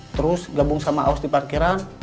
terus gabung sama aus di parkiran